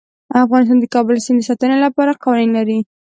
افغانستان د کابل سیند د ساتنې لپاره قوانین لري.